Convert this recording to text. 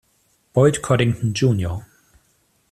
Boyd Coddington Jr.